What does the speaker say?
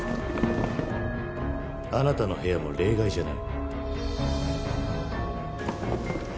あなたの部屋も例外じゃない。